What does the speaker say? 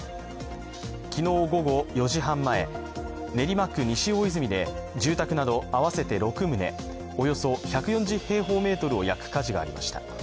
昨日午後４時半前、練馬区西大泉で住宅など合わせて６棟、およそ１４０平方メートルを焼く火事がありました。